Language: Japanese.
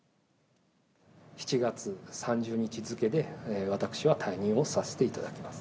７月３０日付で、私は退任をさせていただきます。